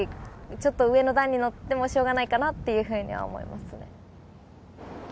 ちょっと上の段に乗っても、しょうがないかなっていうふうに思います。